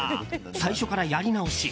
最初からやり直し。